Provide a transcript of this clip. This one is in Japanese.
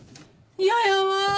嫌やわ。